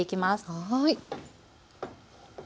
はい。